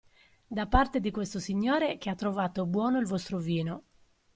Da parte di questo signore che ha trovato buono il vostro vino.